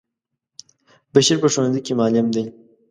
بشیر په ښونځی کی معلم دی.